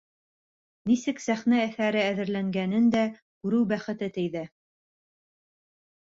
Нисек сәхнә әҫәре әҙерләнгәнен дә күреү бәхете тейҙе.